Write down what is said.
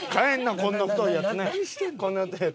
こんな太いやつ。